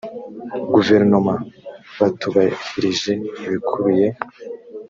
guverinoma batubahirije ibikubiye